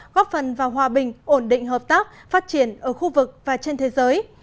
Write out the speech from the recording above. góp phần vào hòa bình ổn định hợp tác phát triển ở khu vực và trên thế giới